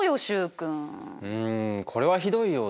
うんこれはひどいよ。